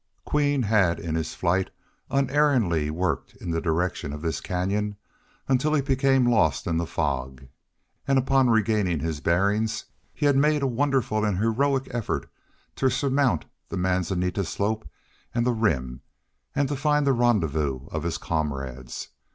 Queen had in his flight unerringly worked in the direction of this canyon until he became lost in the fog; and upon regaining his bearings he had made a wonderful and heroic effort to surmount the manzanita slope and the Rim and find the rendezvous of his comrades.